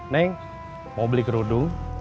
neng mau beli kerudung